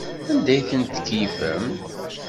Anda ay ten-tkeyyfem?